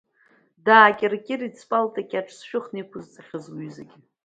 Даакьыркьырит зпалта кьаҿ зшәыхны иқәызҵахьаз лҩызагьы.